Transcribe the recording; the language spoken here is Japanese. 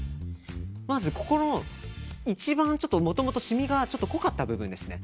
まずここの一番もともと、しみが濃かった部分ですね。